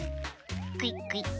クイックイッ。